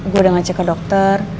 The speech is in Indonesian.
gue udah ngecek ke dokter